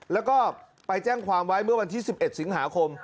แล้วก็ไปแจ้งความไว้เมื่อวันที่๑๑สิงหาคม